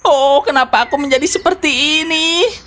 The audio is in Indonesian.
oh kenapa aku menjadi seperti ini